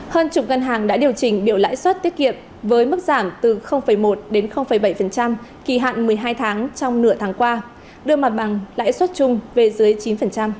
hơn chục ngân hàng đã điều chỉnh biểu lãi suất tiết kiệm với mức giảm từ một đến bảy kỳ hạn một mươi hai tháng trong nửa tháng qua đưa mặt bằng lãi suất chung về dưới chín